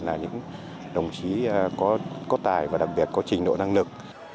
là những đồng chí có tài và đặc biệt có trình độ năng lực